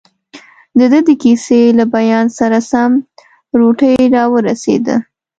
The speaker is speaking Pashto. دده د کیسې له بیان سره سم، روټۍ راورسېده.